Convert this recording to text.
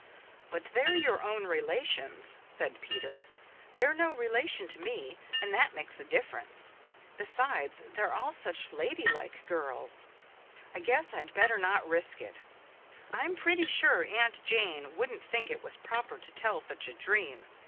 "But they're your own relations," said Peter. "They're no relation to me, and that makes a difference. Besides, they're all such ladylike girls. I guess I'd better not risk it. I'm pretty sure Aunt Jane wouldn't think it was proper to tell such a dream.